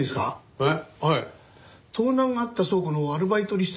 えっ？